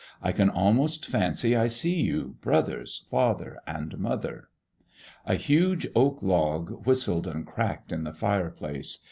I can almost fancy I see you, brothers, father, and mother! A huge oak log whistled and crackled in the fireplace.